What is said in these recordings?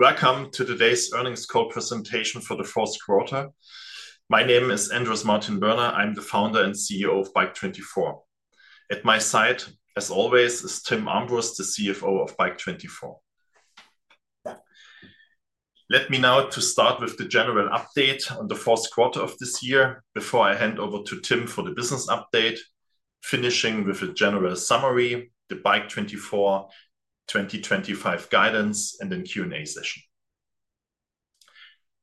Welcome to today's earnings call presentation for the fourth quarter. My name is Andrés Martin-Birner. I'm the founder and CEO of Bike24. At my side, as always, is Timm Armbrust, the CFO of Bike24. Let me now start with the general update on the fourth quarter of this year before I hand over to Timm for the business update, finishing with a general summary, the Bike24 2025 guidance, and then Q&A session.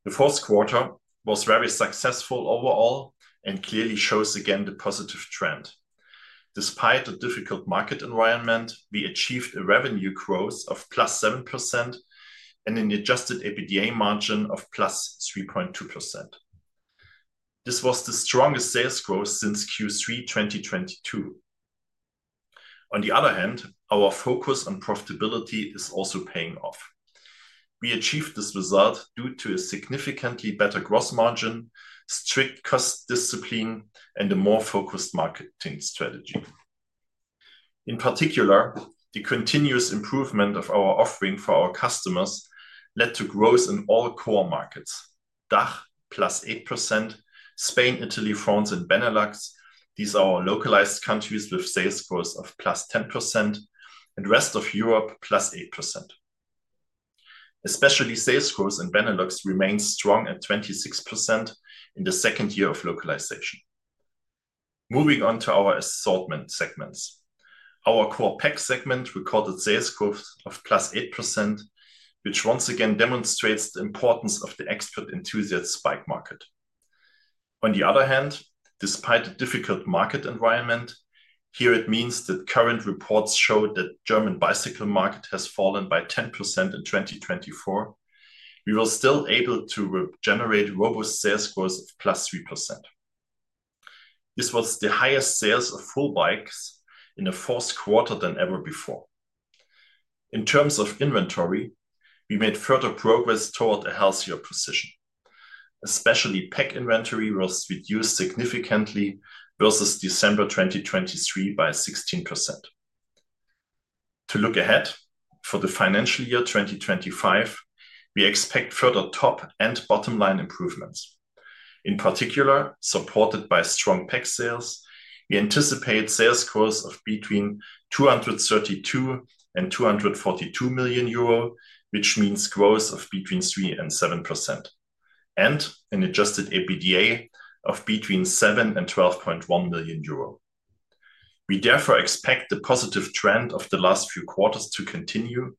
The fourth quarter was very successful overall and clearly shows again the positive trend. Despite a difficult market environment, we achieved a revenue growth of +7% and an Adjusted EBITDA margin of +3.2%. This was the strongest sales growth since Q3 2022. On the other hand, our focus on profitability is also paying off. We achieved this result due to a significantly better gross margin, strict cost discipline, and a more focused marketing strategy. In particular, the continuous improvement of our offering for our customers led to growth in all core markets: DACH +8%, Spain, Italy, France, and Benelux. These are localized countries with sales growth of plus 10% and Rest of Europe plus 8%. Especially sales growth in Benelux remains strong at 26% in the second year of localization. Moving on to our assortment segments, our core PAC segment recorded sales growth of plus 8%, which once again demonstrates the importance of the expert enthusiast bike market. On the other hand, despite a difficult market environment, here it means that current reports show that the German bicycle market has fallen by 10% in 2024, we were still able to generate robust sales growth of plus 3%. This was the highest sales of full bikes in the fourth quarter than ever before. In terms of inventory, we made further progress toward a healthier position. Especially PAC inventory was reduced significantly versus December 2023 by 16%. To look ahead for the financial year 2025, we expect further top and bottom line improvements. In particular, supported by strong PAC sales, we anticipate sales growth of between 232 million and 242 million euro, which means growth of between 3% and 7%, and an Adjusted EBITDA of between 7 million and 12.1 million euro. We therefore expect the positive trend of the last few quarters to continue,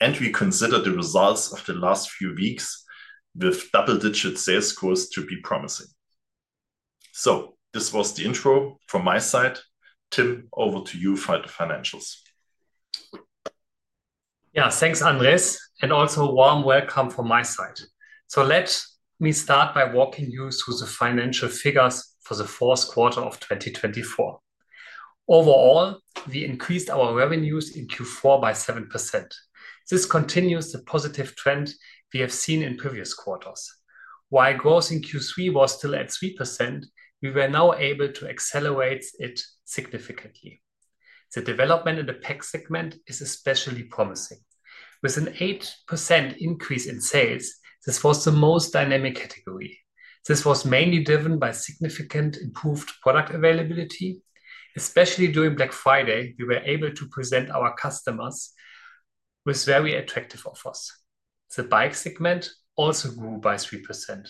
and we consider the results of the last few weeks with double-digit sales growth to be promising. This was the intro from my side. Timm, over to you for the financials. Yes, thanks, Andrés, and also a warm welcome from my side. Let me start by walking you through the financial figures for the fourth quarter of 2024. Overall, we increased our revenues in Q4 by 7%. This continues the positive trend we have seen in previous quarters. While growth in Q3 was still at 3%, we were now able to accelerate it significantly. The development in the PAC segment is especially promising. With an 8% increase in sales, this was the most dynamic category. This was mainly driven by significantly improved product availability. Especially during Black Friday, we were able to present our customers with very attractive offers. The Bike segment also grew by 3%.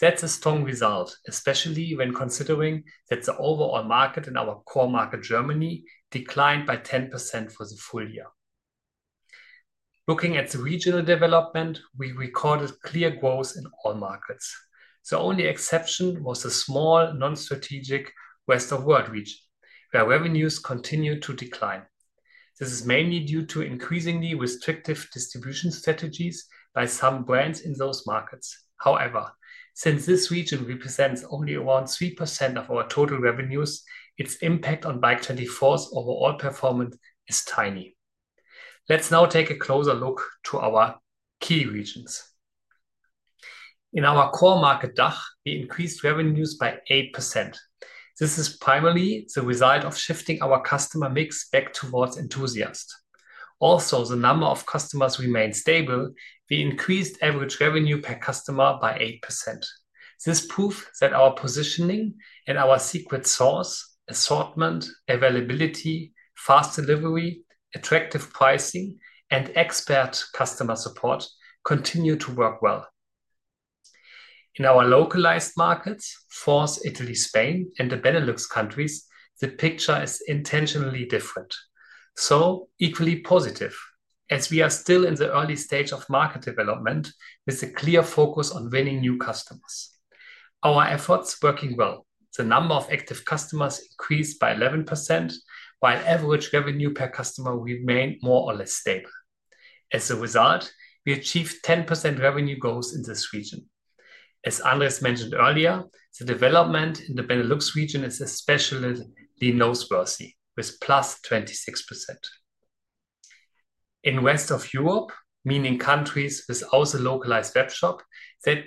That's a strong result, especially when considering that the overall market in our core market, Germany, declined by 10% for the full year. Looking at the regional development, we recorded clear growth in all markets. The only exception was a small non-strategic Rest of World region, where revenues continued to decline. This is mainly due to increasingly restrictive distribution strategies by some brands in those markets. However, since this region represents only around 3% of our total revenues, its impact on Bike24's overall performance is tiny. Let's now take a closer look at our key regions. In our core market, DACH, we increased revenues by 8%. This is primarily the result of shifting our customer mix back towards enthusiasts. Also, the number of customers remained stable. We increased average revenue per customer by 8%. This proves that our positioning and our secret sauce, assortment, availability, fast delivery, attractive pricing, and expert customer support continue to work well. In our localized markets, France, Italy, Spain, and the Benelux countries, the picture is intentionally different. Equally positive, as we are still in the early stage of market development with a clear focus on winning new customers. Our efforts are working well. The number of active customers increased by 11%, while average revenue per customer remained more or less stable. As a result, we achieved 10% revenue growth in this region. As Andrés mentioned earlier, the development in the Benelux region is especially noteworthy with plus Rest of Europe, meaning countries with also localized web shop that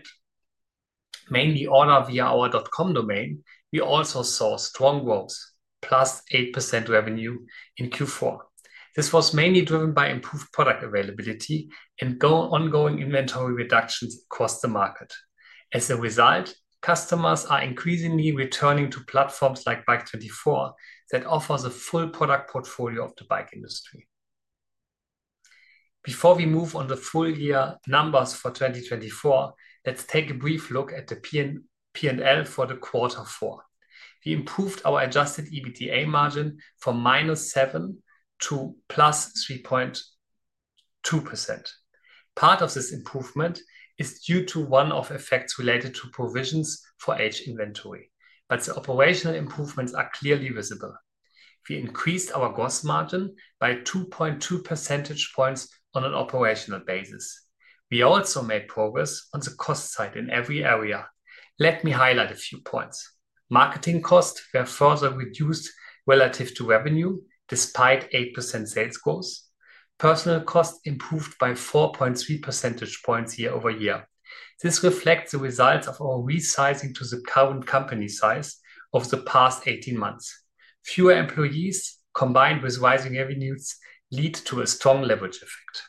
mainly order via our .com domain, we also saw strong growth, plus 8% revenue in Q4. This was mainly driven by improved product availability and ongoing inventory reductions across the market. As a result, customers are increasingly returning to platforms like Bike24 that offers a full product portfolio of the bike industry. Before we move on to full year numbers for 2024, let's take a brief look at the P&L for the quarter four. We improved our Adjusted EBITDA margin from -7% to plus 3.2%. Part of this improvement is due to one-off effects related to provisions for aged inventory, but the operational improvements are clearly visible. We increased our gross margin by 2.2 percentage points on an operational basis. We also made progress on the cost side in every area. Let me highlight a few points. Marketing costs were further reduced relative to revenue despite 8% sales growth. Personnel costs improved by 4.3 percentage points year-over-year. This reflects the results of our resizing to the current company size of the past 18 months. Fewer employees combined with rising revenues lead to a strong leverage effect.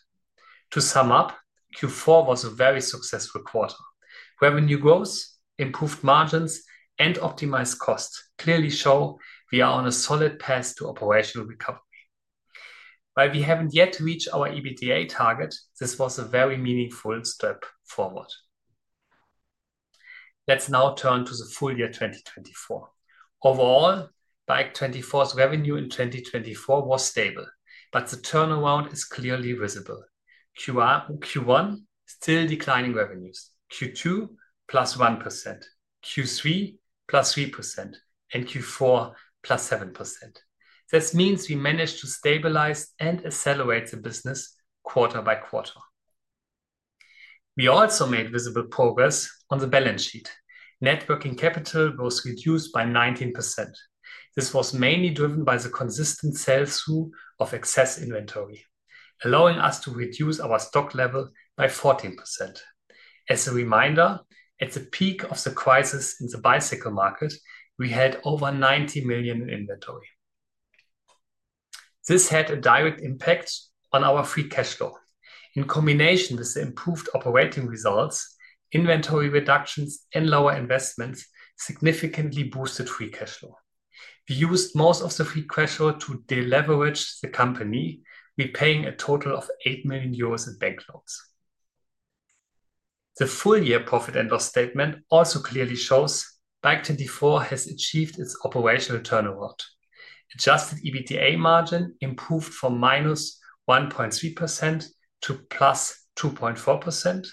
To sum up, Q4 was a very successful quarter. Revenue growth, improved margins, and optimized costs clearly show we are on a solid path to operational recovery. While we haven't yet reached our EBITDA target, this was a very meaningful step forward. Let's now turn to the full year 2024. Overall, Bike24's revenue in 2024 was stable, but the turnaround is clearly visible. Q1, still declining revenues. Q2, plus 1%. Q3, plus 3%, and Q4, plus 7%. This means we managed to stabilize and accelerate the business quarter by quarter. We also made visible progress on the balance sheet. Net working capital was reduced by 19%. This was mainly driven by the consistent sell-through of excess inventory, allowing us to reduce our stock level by 14%. As a reminder, at the peak of the crisis in the bicycle market, we had over 90 million in inventory. This had a direct impact on our free cash flow. In combination with the improved operating results, inventory reductions and lower investments significantly boosted free cash flow. We used most of the free cash flow to deleverage the company, repaying a total of 8 million euros in bank loans. The full year profit and loss statement also clearly shows Bike24 has achieved its operational turnaround. Adjusted EBITDA margin improved from -1.3% to +2.4%.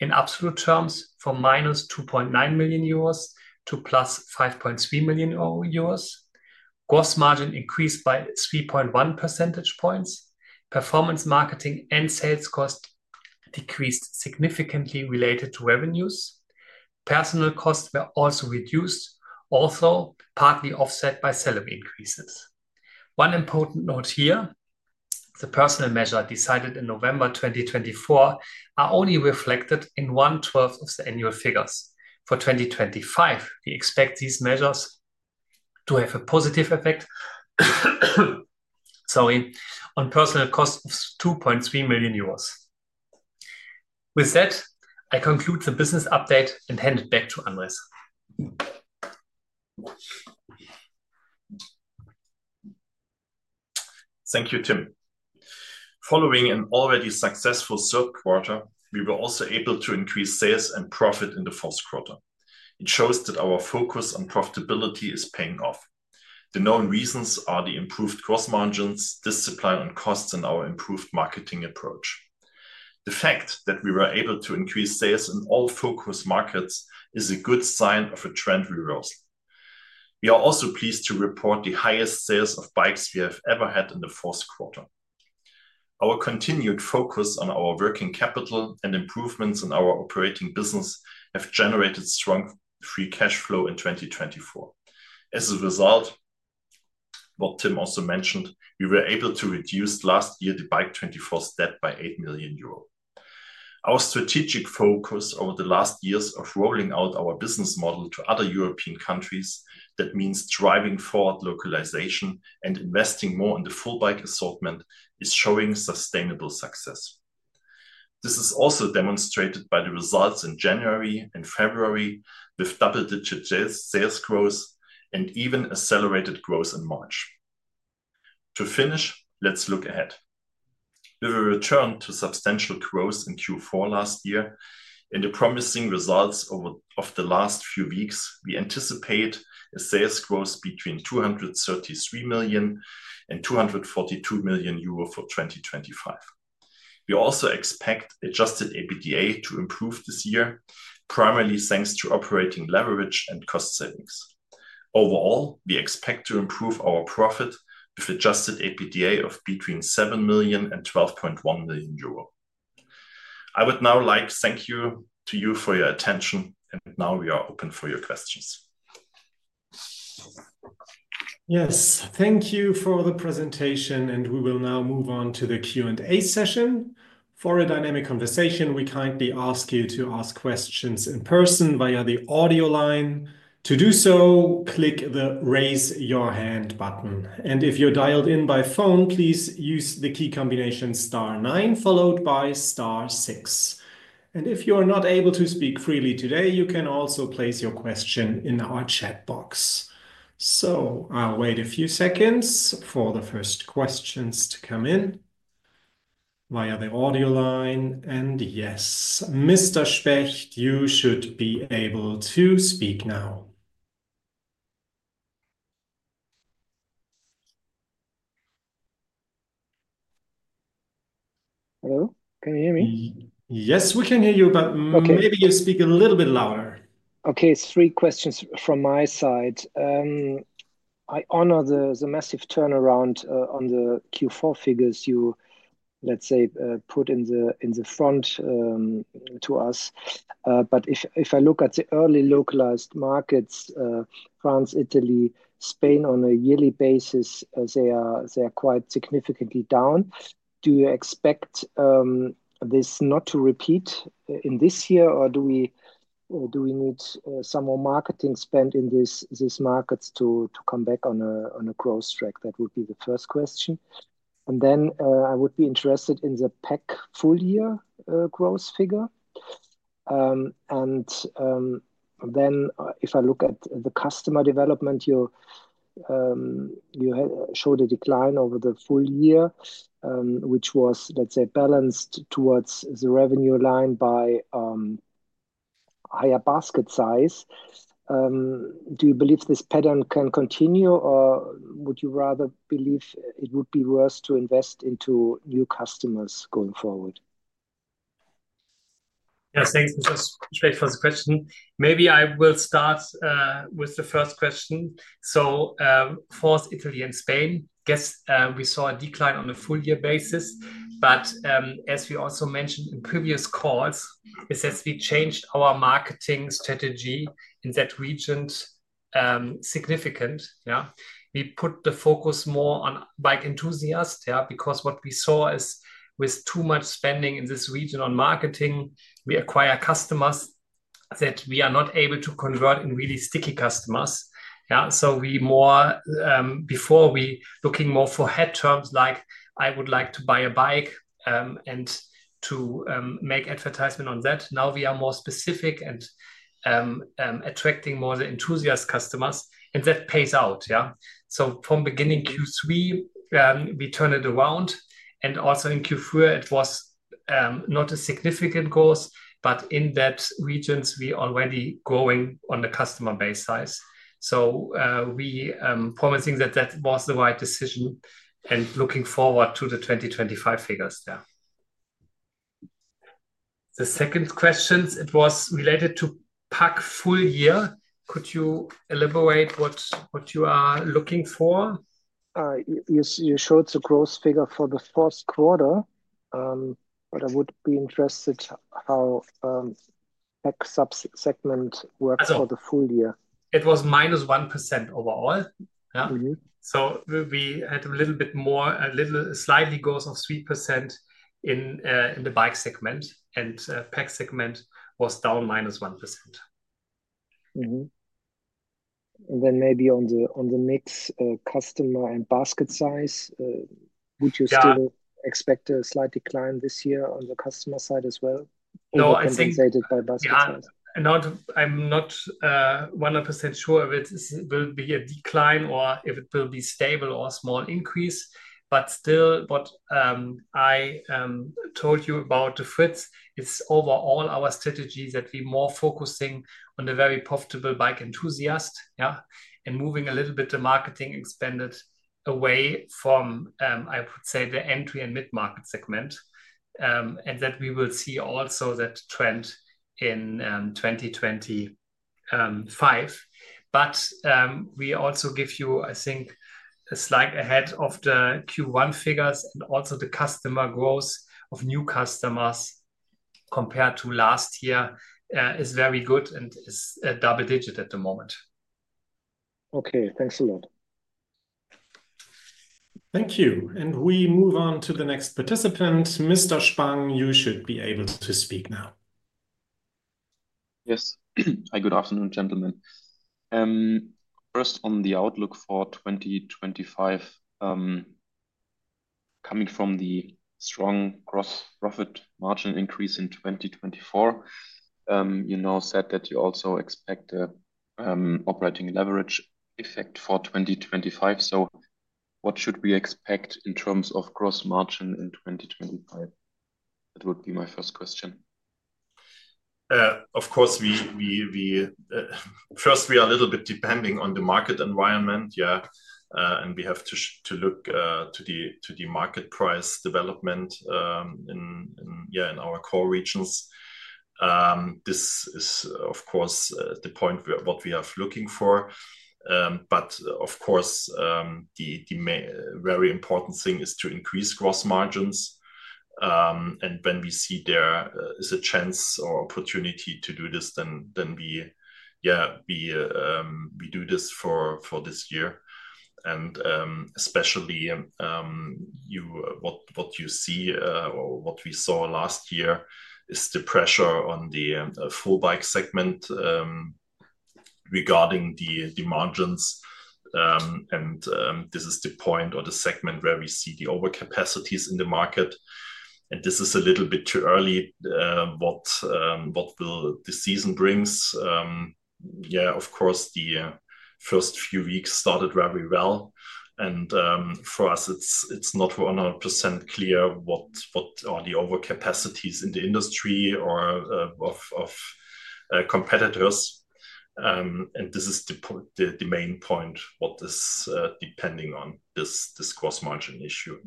In absolute terms, from -2.9 million euros to +5.3 million euros. Gross margin increased by 3.1 percentage points. Performance marketing and sales cost decreased significantly related to revenues. Personnel costs were also reduced, also partly offset by salary increases. One important note here, the personnel measure decided in November 2024 are only reflected in one-twelfth of the annual figures. For 2025, we expect these measures to have a positive effect, sorry, on personnel costs of 2.3 million euros. With that, I conclude the business update and hand it back to Andrés. Thank you, Timm. Following an already successful third quarter, we were also able to increase sales and profit in the fourth quarter. It shows that our focus on profitability is paying off. The known reasons are the improved gross margins, discipline on costs, and our improved marketing approach. The fact that we were able to increase sales in all focus markets is a good sign of a trend reversal. We are also pleased to report the highest sales of bikes we have ever had in the fourth quarter. Our continued focus on our working capital and improvements in our operating business have generated strong free cash flow in 2024. As a result, what Timm also mentioned, we were able to reduce last year the Bike24 debt by 8 million euro. Our strategic focus over the last years of rolling out our business model to other European countries, that means driving forward localization and investing more in the full bike assortment, is showing sustainable success. This is also demonstrated by the results in January and February with double-digit sales growth and even accelerated growth in March. To finish, let's look ahead. With a return to substantial growth in Q4 last year and the promising results of the last few weeks, we anticipate a sales growth between 233 million and 242 million euro for 2025. We also expect Adjusted EBITDA to improve this year, primarily thanks to operating leverage and cost savings. Overall, we expect to improve our profit with Adjusted EBITDA of between 7 million and 12.1 million euro. I would now like to thank you for your attention, and now we are open for your questions. Yes, thank you for the presentation, and we will now move on to the Q&A session. For a dynamic conversation, we kindly ask you to ask questions in person via the audio line. To do so, click the raise your hand button. If you're dialed in by phone, please use the key combination star nine followed by star six. If you are not able to speak freely today, you can also place your question in our chat box. I'll wait a few seconds for the first questions to come in via the audio line. Yes, Mr. Specht, you should be able to speak now. Hello, can you hear me? Yes, we can hear you, but maybe you speak a little bit louder. Okay, three questions from my side. I honor the massive turnaround on the Q4 figures you, let's say, put in the front to us. If I look at the early localized markets, France, Italy, Spain, on a yearly basis, they are quite significantly down. Do you expect this not to repeat in this year, or do we need some more marketing spend in these markets to come back on a growth track? That would be the first question. I would be interested in the PAC full year growth figure. If I look at the customer development, you showed a decline over the full year, which was, let's say, balanced towards the revenue line by higher basket size. Do you believe this pattern can continue, or would you rather believe it would be worse to invest into new customers going forward? Yes, thanks, Mr. Specht, for the question. Maybe I will start with the first question. France, Italy, and Spain, yes, we saw a decline on a full year basis. As we also mentioned in previous calls, we changed our marketing strategy in that region significantly. We put the focus more on bike enthusiasts because what we saw is with too much spending in this region on marketing, we acquire customers that we are not able to convert into really sticky customers. Before, we were looking more for head terms like, "I would like to buy a bike" and to make advertisement on that. Now we are more specific and attracting more enthusiast customers, and that pays out. From beginning Q3, we turned it around. Also in Q4, it was not a significant growth, but in that regions, we are already growing on the customer base size. We are promising that that was the right decision and looking forward to the 2025 figures there. The second question, it was related to PAC full year. Could you elaborate what you are looking for? You showed the growth figure for the fourth quarter, but I would be interested how PAC subsegment works for the full year. It was -1% overall. We had a little bit more, a little slightly growth of 3% in the Bike segment, and PAC segment was down -1%. Maybe on the mix customer and basket size, would you still expect a slight decline this year on the customer side as well? No, I think I'm not 100% sure if it will be a decline or if it will be stable or a small increase. Still, what I told you about the fritz, it's overall our strategy that we are more focusing on the very profitable bike enthusiast and moving a little bit the marketing expanded away from, I would say, the entry and mid-market segment. We will see also that trend in 2025. We also give you, I think, a slight ahead of the Q1 figures, and also the customer growth of new customers compared to last year is very good and is a double digit at the moment. Okay, thanks a lot. Thank you. We move on to the next participant. Mr. Spang, you should be able to speak now. Yes. Hi, good afternoon, gentlemen. First, on the outlook for 2025, coming from the strong gross profit margin increase in 2024, you said that you also expect the operating leverage effect for 2025. What should we expect in terms of gross margin in 2025? That would be my first question. Of course, first, we are a little bit depending on the market environment, yeah, and we have to look to the market price development in our core regions. This is, of course, the point what we are looking for. The very important thing is to increase gross margins. When we see there is a chance or opportunity to do this, then we do this for this year. Especially what you see or what we saw last year is the pressure on the full Bike segment regarding the margins. This is the point or the segment where we see the overcapacities in the market. It is a little bit too early what the season brings. Yeah, of course, the first few weeks started very well. For us, it is not 100% clear what are the overcapacities in the industry or of competitors. This is the main point, what is depending on this gross margin issue.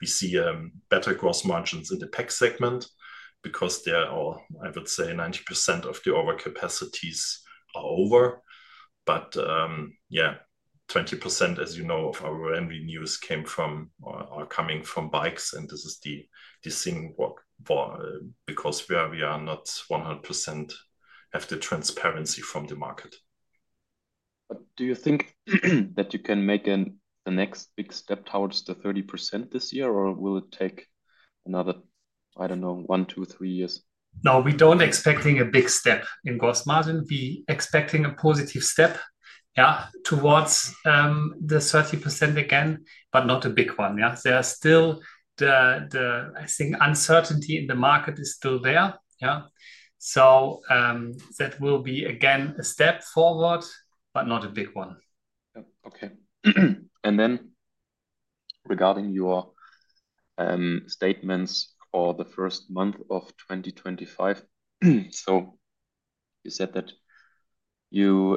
We see better gross margins in the PAC segment because they are all, I would say, 90% of the overcapacities are over. Yeah, 20%, as you know, of our revenues came from or are coming from bikes. This is the thing because we are not 100% have the transparency from the market. Do you think that you can make the next big step towards the 30% this year, or will it take another, I don't know, one, two, three years? No, we do not expect a big step in gross margin. We are expecting a positive step towards the 30% again, but not a big one. There are still, I think, uncertainty in the market is still there. That will be again a step forward, but not a big one. Okay. Regarding your statements for the first month of 2025, you said that you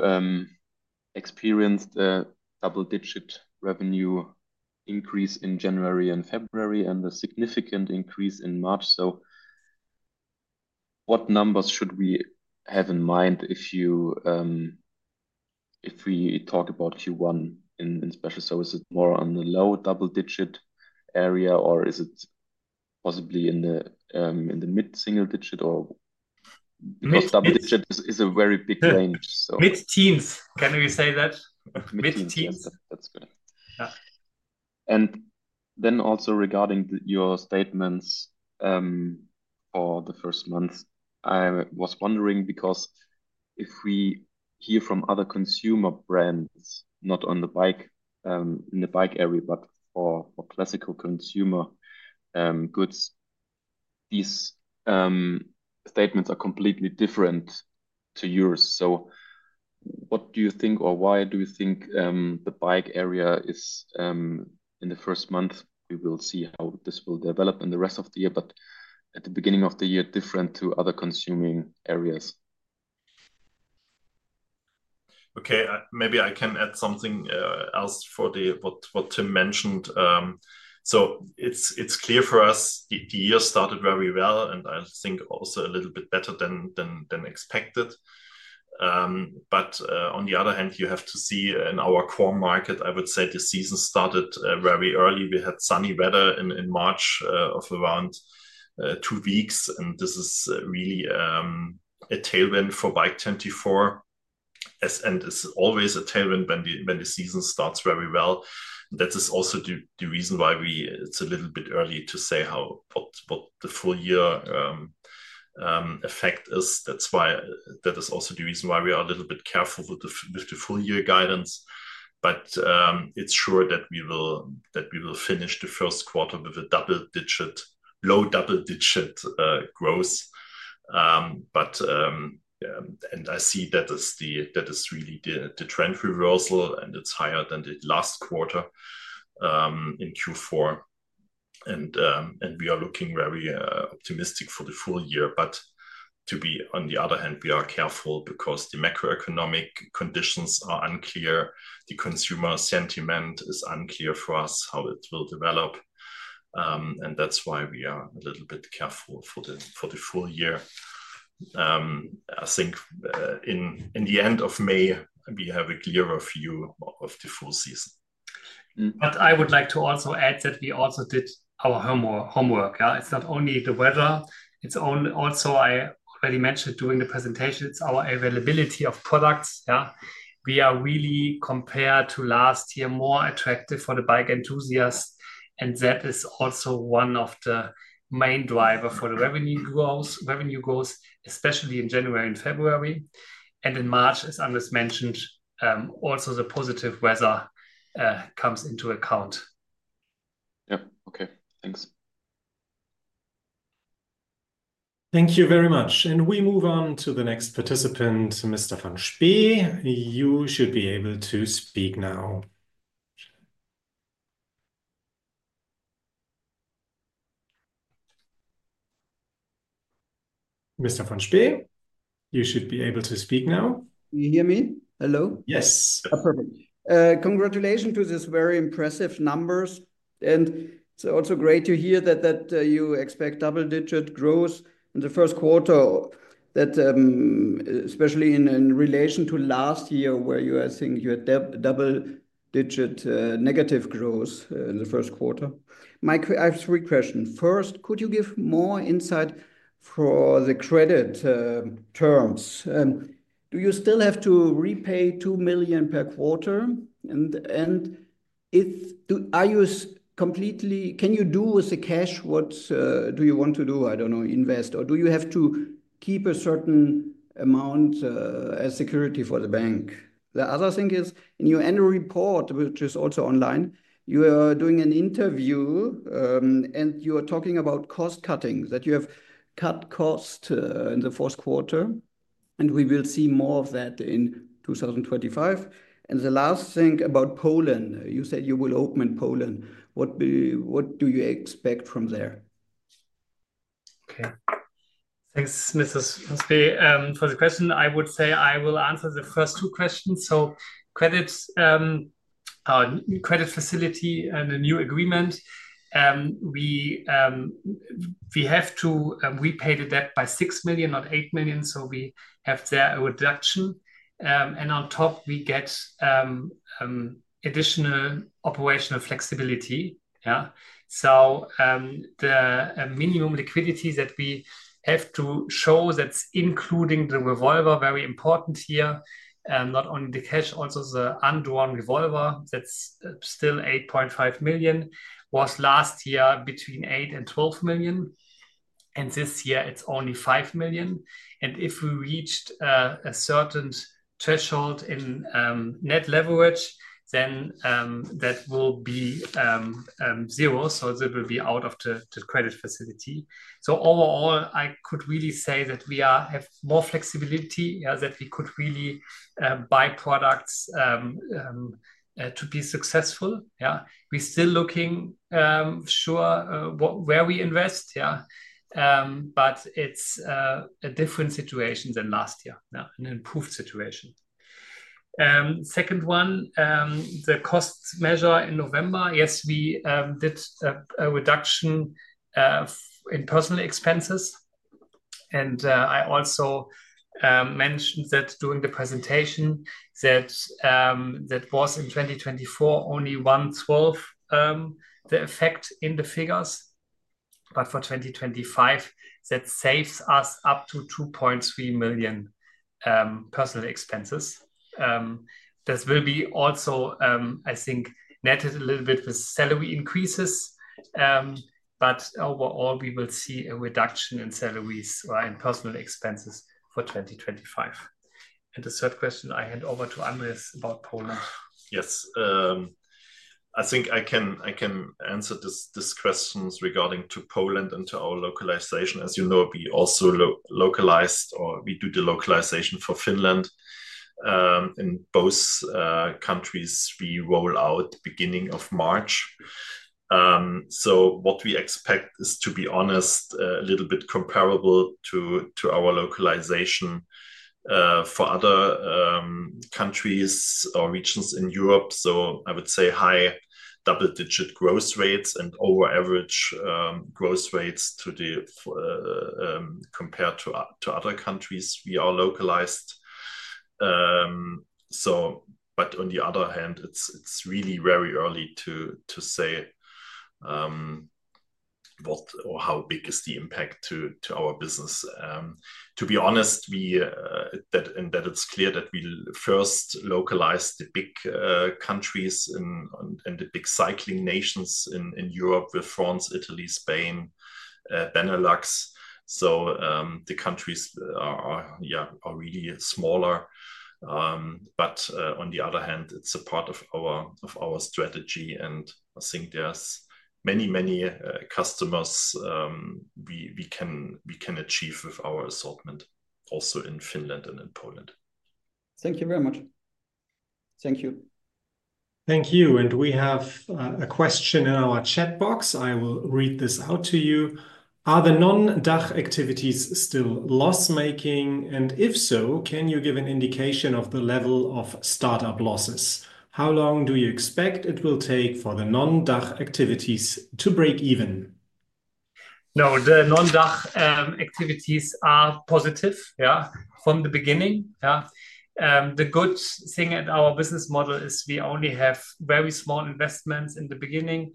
experienced a double-digit revenue increase in January and February and a significant increase in March. What numbers should we have in mind if we talk about Q1 in special? Is it more on the low double-digit area, or is it possibly in the mid-single digit? Because double-digit is a very big range. Mid-teens, can we say that? Mid-teens. That's good. Also regarding your statements for the first month, I was wondering because if we hear from other consumer brands, not in the bike area, but for classical consumer goods, these statements are completely different to yours. What do you think, or why do you think the bike area is in the first month? We will see how this will develop in the rest of the year, but at the beginning of the year, different to other consuming areas. Okay, maybe I can add something else for what Timm mentioned. It is clear for us the year started very well, and I think also a little bit better than expected. On the other hand, you have to see in our core market, I would say the season started very early. We had sunny weather in March of around two weeks, and this is really a tailwind for Bike24. It is always a tailwind when the season starts very well. That is also the reason why it is a little bit early to say what the full year effect is. That is also the reason why we are a little bit careful with the full year guidance. It is sure that we will finish the first quarter with a low double-digit growth. I see that is really the trend reversal, and it is higher than the last quarter in Q4. We are looking very optimistic for the full year. On the other hand, we are careful because the macroeconomic conditions are unclear. The consumer sentiment is unclear for us, how it will develop. That is why we are a little bit careful for the full year. I think in the end of May, we have a clearer view of the full season. I would like to also add that we also did our homework. It's not only the weather. It's also, I already mentioned during the presentation, it's our availability of products. We are really, compared to last year, more attractive for the bike enthusiasts. That is also one of the main drivers for the revenue growth, especially in January and February. In March, as Andrés mentioned, also the positive weather comes into account. Yeah, okay. Thanks. Thank you very much. We move on to the next participant, Mr. van Spe. You should be able to speak now. Mr. van Spe, you should be able to speak now. You hear me? Hello? Yes. Congratulations to these very impressive numbers. It is also great to hear that you expect double-digit growth in the first quarter, especially in relation to last year, where I think you had double-digit negative growth in the first quarter. I have three questions. First, could you give more insight for the credit terms? Do you still have to repay 2 million per quarter? Can you do with the cash what you want to do? I do not know, invest, or do you have to keep a certain amount as security for the bank? The other thing is, in your annual report, which is also online, you are doing an interview, and you are talking about cost cutting, that you have cut costs in the fourth quarter. We will see more of that in 2025. The last thing about Poland, you said you will open in Poland. What do you expect from there? Okay. Thanks, Mr. van Spe, for the question. I would say I will answer the first two questions. Credit facility and the new agreement, we have to repay the debt by 6 million, not 8 million. We have there a reduction. On top, we get additional operational flexibility. The minimum liquidity that we have to show, that's including the revolver, very important here, not only the cash, also the undrawn revolver, that's still 8.5 million, was last year between 8 million and 12 million. This year, it's only 5 million. If we reach a certain threshold in net leverage, then that will be zero. It will be out of the credit facility. Overall, I could really say that we have more flexibility, that we could really buy products to be successful. We're still looking sure where we invest, but it's a different situation than last year, an improved situation. Second one, the cost measure in November, yes, we did a reduction in personnel expenses. I also mentioned that during the presentation that was in 2024, only one-twelfth the effect in the figures. For 2025, that saves us up to 2.3 million personnel expenses. This will be also, I think, netted a little bit with salary increases. Overall, we will see a reduction in salaries and personnel expenses for 2025. The third question, I hand over to Andrés about Poland. Yes. I think I can answer these questions regarding to Poland and to our localization. As you know, we also localized or we do the localization for Finland. In both countries, we roll out beginning of March. What we expect is, to be honest, a little bit comparable to our localization for other countries or regions in Europe. I would say high double-digit growth rates and over-average growth rates compared to other countries we are localized. On the other hand, it's really very early to say how big is the impact to our business. To be honest, it's clear that we first localized the big countries and the big cycling nations in Europe with France, Italy, Spain, Benelux. The countries are really smaller. On the other hand, it's a part of our strategy. I think there are many, many customers we can achieve with our assortment also in Finland and in Poland. Thank you very much. Thank you. Thank you. We have a question in our chat box. I will read this out to you. Are the non-DACH activities still loss-making? If so, can you give an indication of the level of startup losses? How long do you expect it will take for the non-DACH activities to break even? No, the non-DACH activities are positive from the beginning. The good thing at our business model is we only have very small investments in the beginning,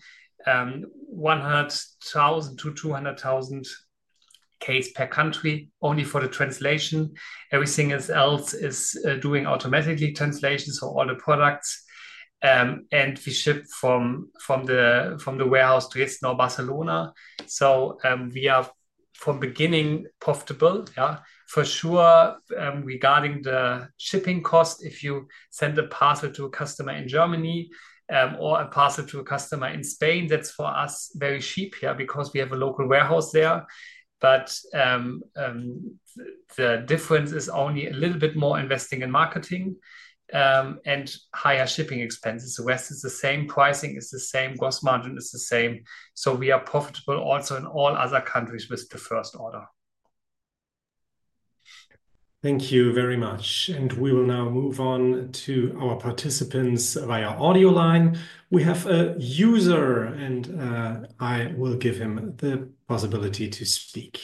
100,000-200,000 per country only for the translation. Everything else is doing automatically translations for all the products. We ship from the warehouse Dresden or Barcelona. We are from beginning profitable. For sure, regarding the shipping cost, if you send a parcel to a customer in Germany or a parcel to a customer in Spain, that's for us very cheap here because we have a local warehouse there. The difference is only a little bit more investing in marketing and higher shipping expenses. The rest is the same pricing, is the same gross margin, is the same. We are profitable also in all other countries with the first order. Thank you very much. We will now move on to our participants via audio line. We have a user, and I will give him the possibility to speak.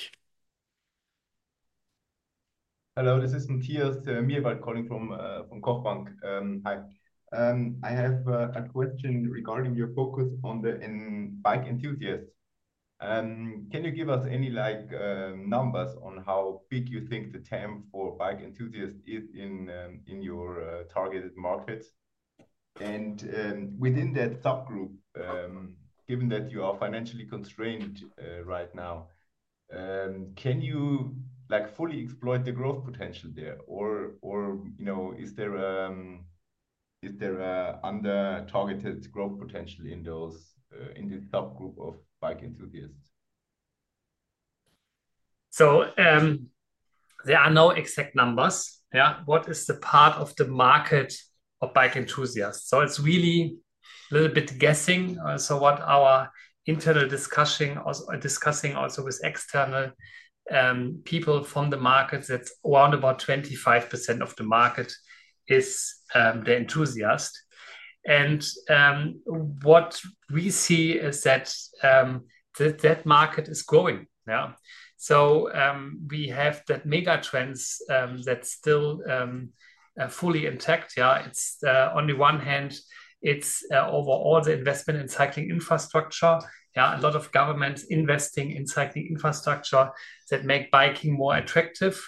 Hello, this is Mathias Miebel calling from Copbank. Hi. I have a question regarding your focus on the bike enthusiasts. Can you give us any numbers on how big you think the TAM for bike enthusiasts is in your targeted market? Within that subgroup, given that you are financially constrained right now, can you fully exploit the growth potential there? Is there under-targeted growth potential in the subgroup of bike enthusiasts? There are no exact numbers. What is the part of the market of bike enthusiasts? It is really a little bit guessing. What our internal discussing, also with external people from the market, is that around 25% of the market is the enthusiast. What we see is that that market is growing. We have that mega trend that is still fully intact. On the one hand, it is overall the investment in cycling infrastructure. A lot of governments investing in cycling infrastructure make biking more attractive.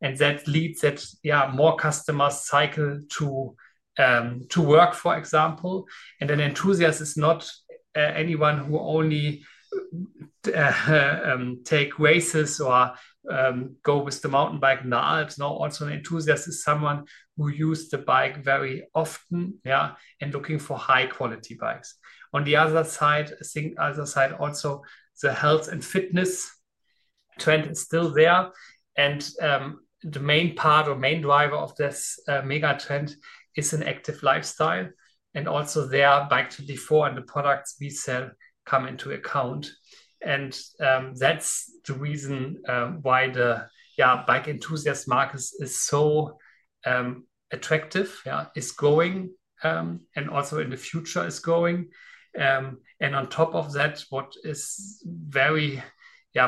That leads to more customers cycling to work, for example. An enthusiast is not anyone who only takes races or goes with the mountain bike. No, it is not. Also, an enthusiast is someone who uses the bike very often and is looking for high-quality bikes. On the other side, I think other side also the health and fitness trend is still there. The main part or main driver of this mega trend is an active lifestyle. Also there, Bike24 and the products we sell come into account. That is the reason why the bike enthusiast market is so attractive, is growing, and also in the future is growing. On top of that, what is very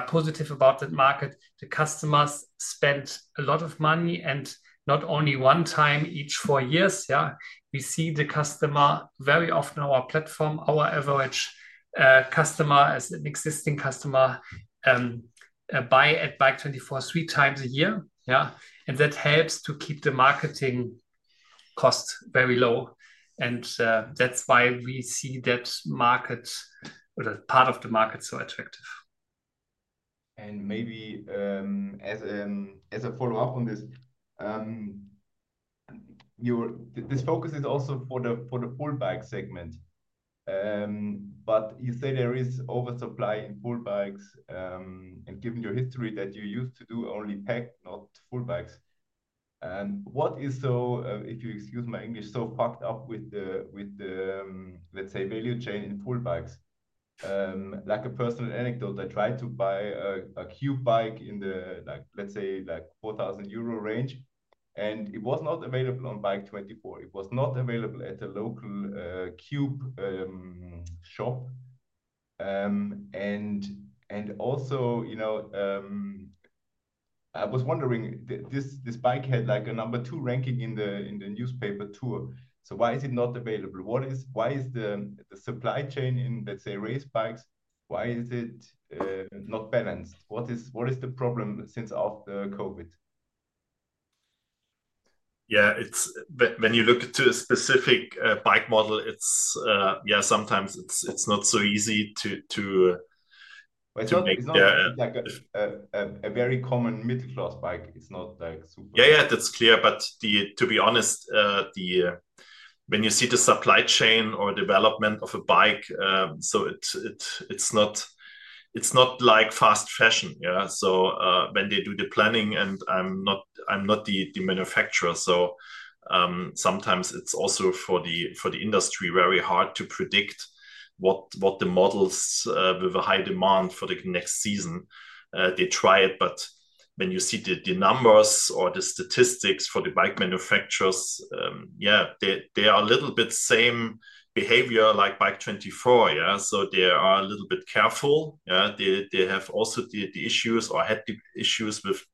positive about that market, the customers spend a lot of money and not only one time each four years. We see the customer very often on our platform, our average customer as an existing customer buys at Bike24 three times a year. That helps to keep the marketing cost very low. That is why we see that market or that part of the market so attractive. Maybe as a follow-up on this, this focus is also for the full Bike segment. You say there is oversupply in full bikes and given your history that you used to do only PAC, not full bikes. What is so, if you excuse my English, so fucked up with the, let's say, value chain in full bikes? Like a personal anecdote, I tried to buy a Cube bike in the, let's say, 4,000 euro range. It was not available on Bike24. It was not available at a local Cube shop. I was also wondering, this bike had a number two ranking in the newspaper too. Why is it not available? Why is the supply chain in, let's say, race bikes, not balanced? What is the problem since after COVID? Yeah, when you look to a specific bike model, yeah, sometimes it's not so easy to. What's your example? A very common middle-class bike. It's not super. Yeah, yeah, that's clear. To be honest, when you see the supply chain or development of a bike, it's not like fast fashion. When they do the planning, and I'm not the manufacturer, sometimes it's also for the industry very hard to predict what the models with the high demand for the next season. They try it, but when you see the numbers or the statistics for the bike manufacturers, they are a little bit same behavior like Bike24. They are a little bit careful. They have also the issues or had the issues with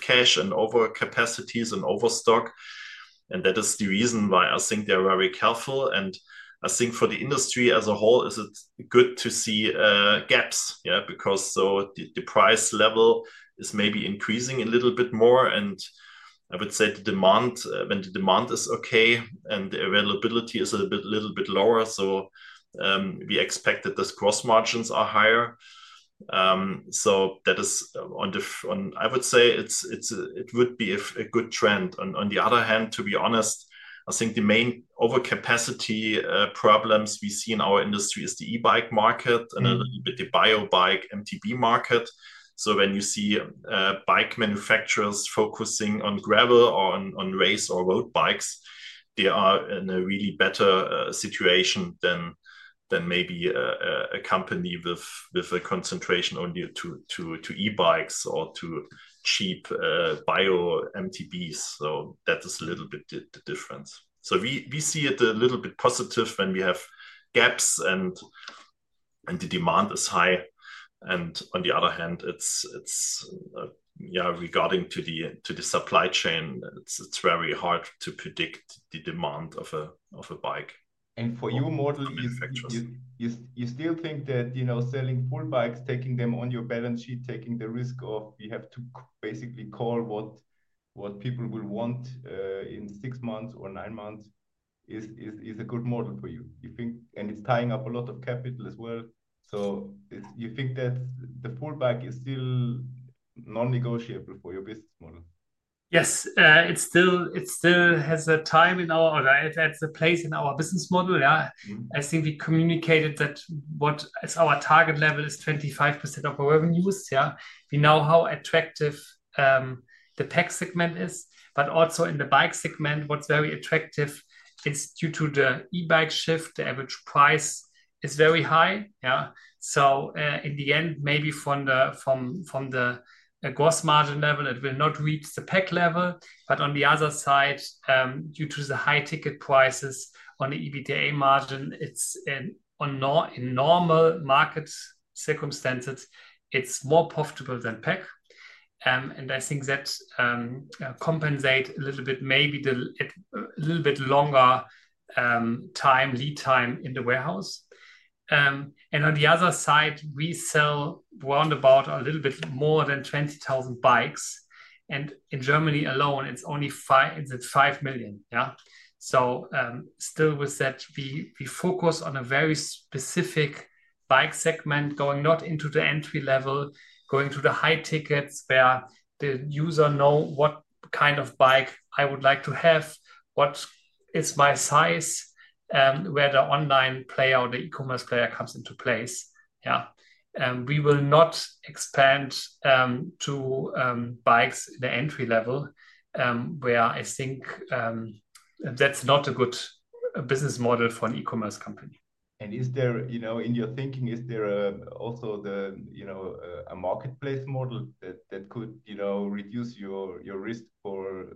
cash and overcapacities and overstock. That is the reason why I think they're very careful. I think for the industry as a whole, is it good to see gaps? Because the price level is maybe increasing a little bit more. I would say the demand, when the demand is okay and the availability is a little bit lower, we expect that those gross margins are higher. That is, I would say, it would be a good trend. On the other hand, to be honest, I think the main overcapacity problems we see in our industry is the e-bike market and a little bit the bio-bike MTB market. When you see bike manufacturers focusing on gravel or on race or road bikes, they are in a really better situation than maybe a company with a concentration only to e-bikes or to cheap bio-MTBs. That is a little bit the difference. We see it a little bit positive when we have gaps and the demand is high. On the other hand, regarding the supply chain, it's very hard to predict the demand of a bike. For your models, you still think that selling full bikes, taking them on your balance sheet, taking the risk of we have to basically call what people will want in six months or nine months is a good model for you? It is tying up a lot of capital as well. You think that the full bike is still non-negotiable for your business model? Yes, it still has a time in our or it has a place in our business model. I think we communicated that our target level is 25% of our revenues. We know how attractive the PAC segment is. Also in the Bike segment, what's very attractive is due to the e-bike shift, the average price is very high. In the end, maybe from the gross margin level, it will not reach the PAC level. On the other side, due to the high ticket prices on the EBITDA margin, in normal market circumstances, it's more profitable than PAC. I think that compensates a little bit maybe a little bit longer time, lead time in the warehouse. On the other side, we sell round about a little bit more than 20,000 bikes. In Germany alone, it's only 5 million. We focus on a very specific Bike segment going not into the entry level, going to the high tickets where the user knows what kind of bike I would like to have, what is my size, where the online player or the e-commerce player comes into place. We will not expand to bikes in the entry level where I think that's not a good business model for an e-commerce company. In your thinking, is there also a marketplace model that could reduce your risk for,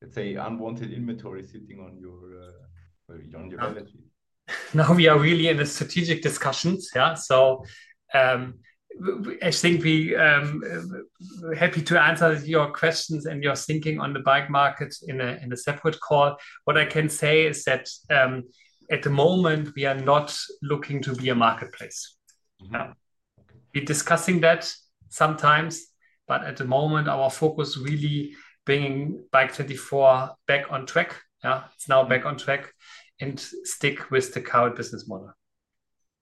let's say, unwanted inventory sitting on your balance sheet? No, we are really in the strategic discussions. I think we are happy to answer your questions and your thinking on the bike market in a separate call. What I can say is that at the moment, we are not looking to be a marketplace. We're discussing that sometimes, but at the moment, our focus is really bringing Bike24 back on track. It's now back on track and stick with the current business model.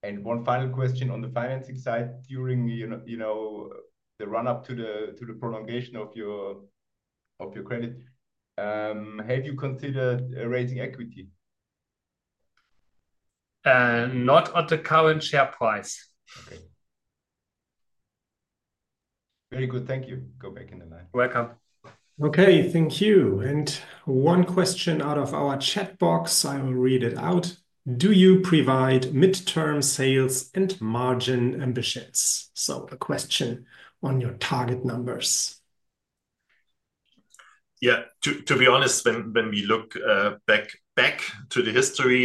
One final question on the financing side during the run-up to the prolongation of your credit. Have you considered raising equity? Not at the current share price. Okay. Very good. Thank you. Go back in the line. Welcome. Okay, thank you. One question out of our chat box. I will read it out. Do you provide midterm sales and margin ambitions? A question on your target numbers. Yeah, to be honest, when we look back to the history,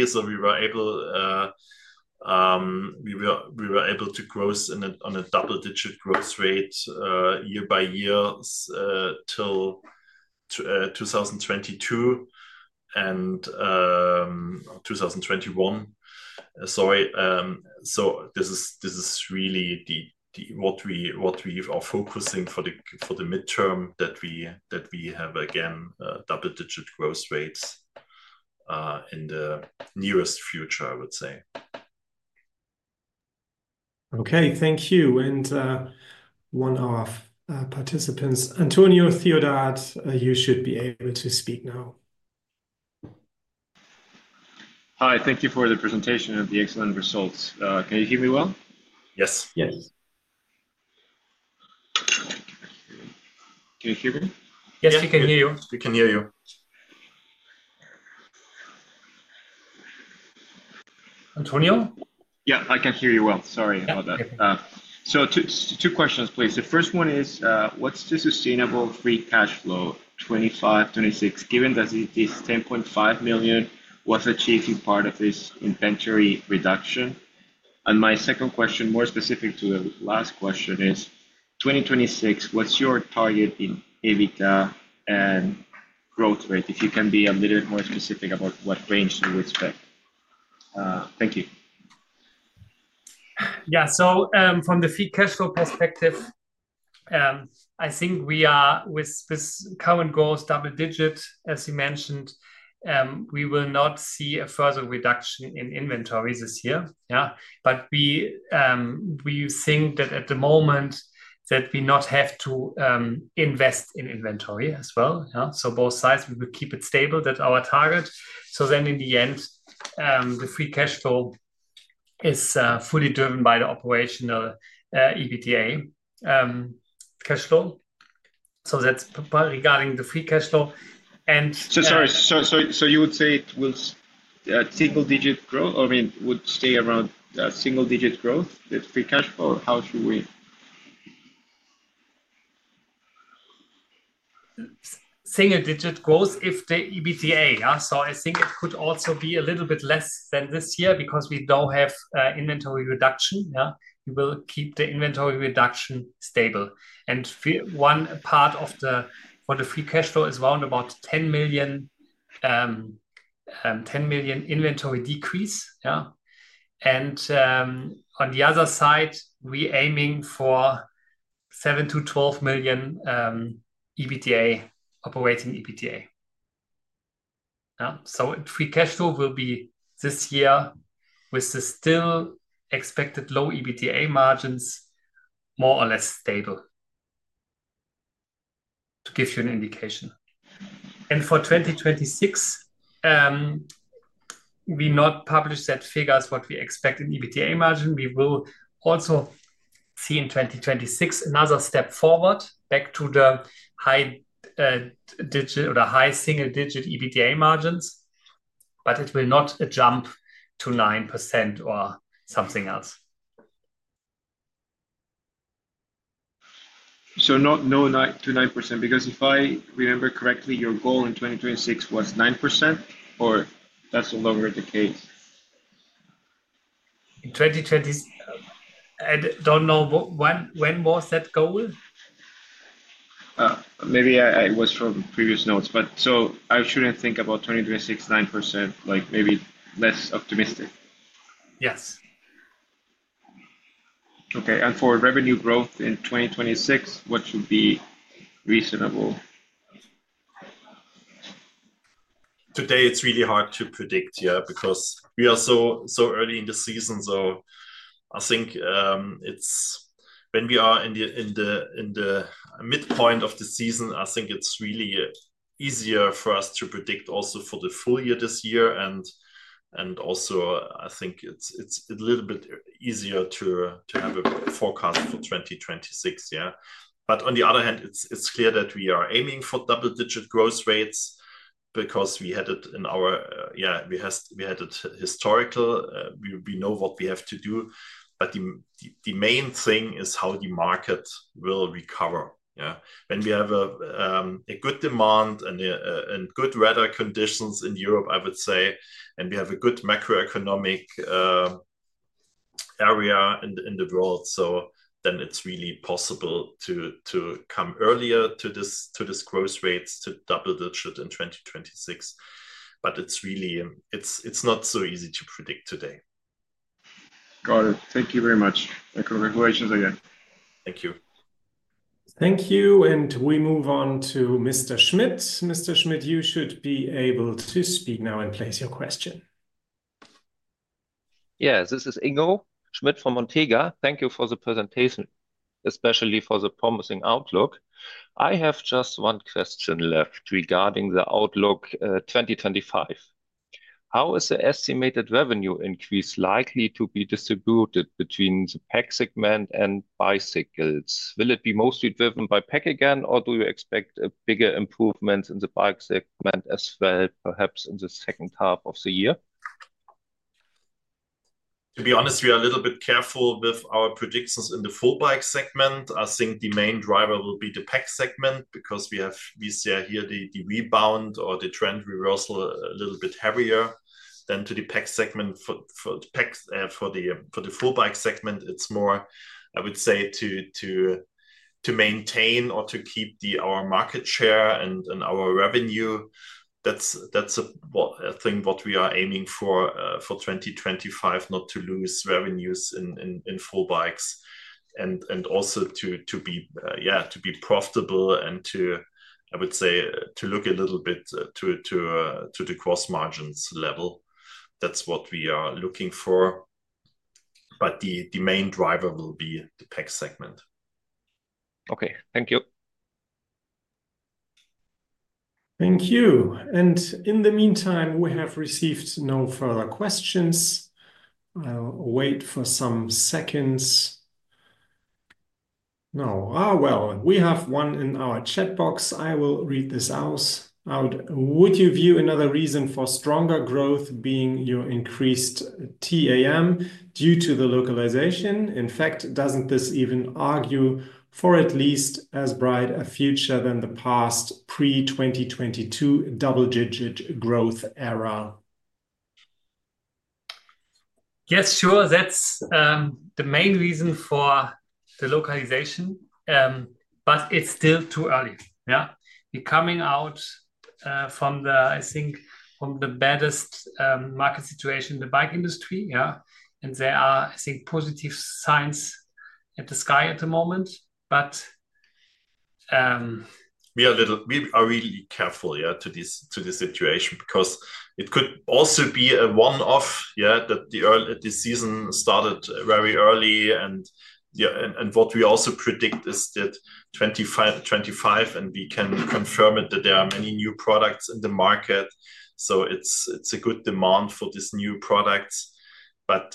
we were able to grow on a double-digit growth rate year by year till 2022 and 2021. Sorry. This is really what we are focusing for the midterm, that we have again double-digit growth rates in the nearest future, I would say. Okay, thank you. One of our participants, Antonio Theodart, you should be able to speak now. Hi, thank you for the presentation and the excellent results. Can you hear me well? Yes. Yes. Can you hear me? Yes, we can hear you. We can hear you. Antonio? Yeah, I can hear you well. Sorry about that. Two questions, please. The first one is, what's the sustainable free cash flow 2025, 2026, given that it is 10.5 million was achieved in part by this inventory reduction? My second question, more specific to the last question, is, 2026, what's your target in EBITDA and growth rate? If you can be a little bit more specific about what range to expect. Thank you. Yeah, so from the free cash flow perspective, I think we are with current goals, double-digit, as you mentioned, we will not see a further reduction in inventory this year. We think that at the moment that we not have to invest in inventory as well. Both sides, we will keep it stable, that our target. In the end, the free cash flow is fully driven by the operational EBITDA cash flow. That is regarding the free cash flow. Sorry, you would say it will single-digit growth, I mean, would stay around single-digit growth, the free cash flow? How should we? Single-digit growth if the EBITDA. I think it could also be a little bit less than this year because we do not have inventory reduction. We will keep the inventory reduction stable. One part of the free cash flow is round about EUR 10 million inventory decrease. On the other side, we are aiming for 7-12 million operating EBITDA. Free cash flow will be this year with the still expected low EBITDA margins more or less stable to give you an indication. For 2026, we do not publish that figure as what we expect in EBITDA margin. We will also see in 2026 another step forward back to the high single-digit EBITDA margins, but it will not jump to 9% or something else. No to 9% because if I remember correctly, your goal in 2026 was 9% or that's no longer the case? In 2020, I don't know when was that goal. Maybe it was from previous notes, but I shouldn't think about 2026 9%, maybe less optimistic. Yes. Okay. For revenue growth in 2026, what should be reasonable? Today, it's really hard to predict, yeah, because we are so early in the season. I think when we are in the midpoint of the season, I think it's really easier for us to predict also for the full year this year. I think it's a little bit easier to have a forecast for 2026, yeah. On the other hand, it's clear that we are aiming for double-digit growth rates because we had it in our, yeah, we had it historical. We know what we have to do. The main thing is how the market will recover. When we have a good demand and good weather conditions in Europe, I would say, and we have a good macroeconomic area in the world, then it's really possible to come earlier to this growth rates to double-digit in 2026. It is not so easy to predict today. Got it. Thank you very much. Congratulations again. Thank you. Thank you. We move on to Mr. Schmidt. Mr. Schmidt, you should be able to speak now and place your question. Yes, this is Ingo Schmidt from Montega. Thank you for the presentation, especially for the promising outlook. I have just one question left regarding the outlook 2025. How is the estimated revenue increase likely to be distributed between the PAC segment and bicycles? Will it be mostly driven by PAC again, or do you expect bigger improvements in the Bike segment as well, perhaps in the second half of the year? To be honest, we are a little bit careful with our predictions in the full Bike segment. I think the main driver will be the PAC segment because we see here the rebound or the trend reversal a little bit heavier than to the PAC segment. For the full Bike segment, it's more, I would say, to maintain or to keep our market share and our revenue. That's I think what we are aiming for for 2025, not to lose revenues in full bikes and also to be profitable and to, I would say, to look a little bit to the gross margins level. That's what we are looking for. The main driver will be the PAC segment. Okay. Thank you. Thank you. In the meantime, we have received no further questions. I'll wait for some seconds. No. Oh, we have one in our chat box. I will read this out. Would you view another reason for stronger growth being your increased TAM due to the localization? In fact, doesn't this even argue for at least as bright a future than the past pre-2022 double-digit growth era? Yes, sure. That's the main reason for the localization, but it's still too early. Yeah. We're coming out from the, I think, from the baddest market situation in the bike industry. Yeah. There are, I think, positive signs in the sky at the moment, but. We are really careful, yeah, to this situation because it could also be a one-off, yeah, that the season started very early. What we also predict is that 2025, and we can confirm that there are many new products in the market. So it's a good demand for these new products. For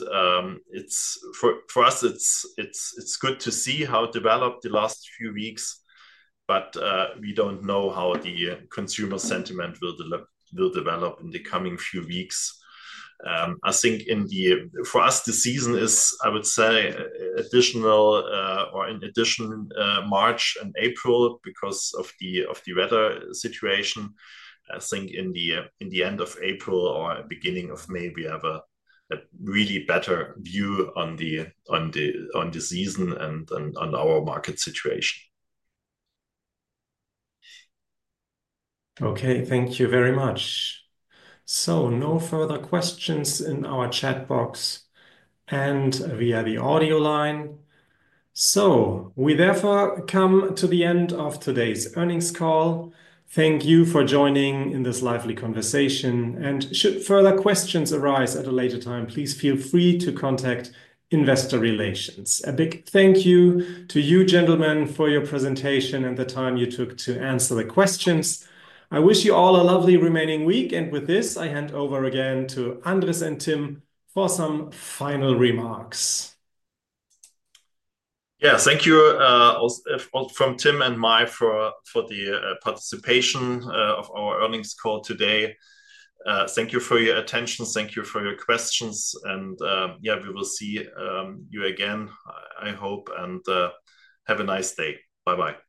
us, it's good to see how developed the last few weeks, but we don't know how the consumer sentiment will develop in the coming few weeks. I think for us, the season is, I would say, additional or in addition, March and April because of the weather situation. I think in the end of April or beginning of May, we have a really better view on the season and on our market situation. Okay. Thank you very much. No further questions in our chat box and via the audio line. We therefore come to the end of today's earnings call. Thank you for joining in this lively conversation. Should further questions arise at a later time, please feel free to contact Investor Relations. A big thank you to you, gentlemen, for your presentation and the time you took to answer the questions. I wish you all a lovely remaining week. With this, I hand over again to Andrés and Timm for some final remarks. Yeah, thank you from Timm and Mike for the participation of our earnings call today. Thank you for your attention. Thank you for your questions. Yeah, we will see you again, I hope, and have a nice day. Bye-bye.